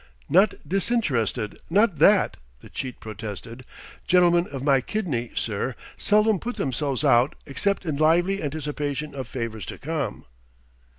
"Not disinterested not that!" the cheat protested. "Gentlemen of my kidney, sir, seldom put themselves out except in lively anticipation of favours to come."